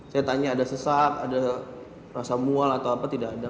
saya tanya ada sesak ada rasa mual atau apa tidak ada